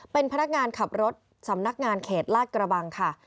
เป็นพนักงานขับรถสำนักงานเขตลาดกระบังค่ะ